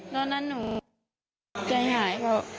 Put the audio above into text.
ตอนนั้นหนูใจหายเขา